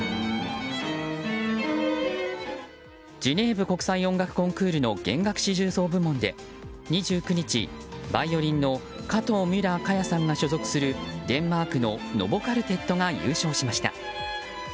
ジュネーブ国際音楽コンクールの弦楽四重奏部門で２９日、バイオリンの加藤ミュラーさんが所属するデンマークのノボ・カルテットが優勝しました。